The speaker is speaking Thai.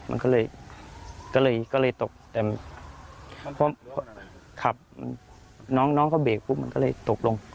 มันก็เลยตกน้องก็เบรกปุ๊บมันก็เลยตกลง